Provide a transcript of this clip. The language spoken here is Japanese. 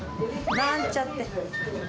なんちゃって！